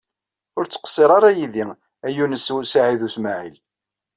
Ur ttqeṣṣiṛ ara yid-i a Yunes u Saɛid u Smaɛil.